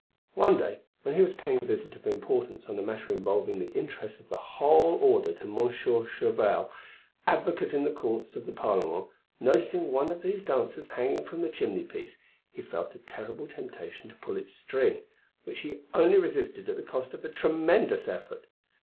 One day when he was paying a visit of importance on a matter involving the interests of the whole Order to Monsieur Chauvel, advocate in the courts of the Parlement, noticing one of these dancers hanging from the chimney piece, he felt a terrible temptation to pull its string, which he only resisted at the cost of a tremendous effort.